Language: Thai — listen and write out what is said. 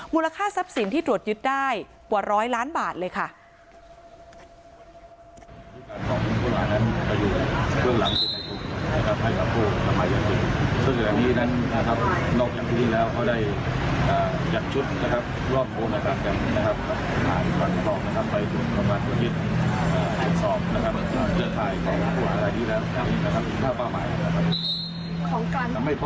มูลค่าทรัพย์สินที่ตรวจยึดได้ปวด๑๐๐ล้านบาทเลยค่ะ